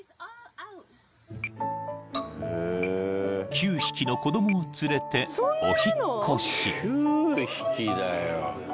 ［９匹の子供を連れてお引っ越し］